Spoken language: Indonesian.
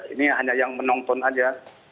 ini hanya yang menonton aja